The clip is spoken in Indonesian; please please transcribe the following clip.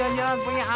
jalan jalan ke mana